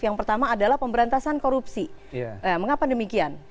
yang pertama adalah pemberantasan korupsi mengapa demikian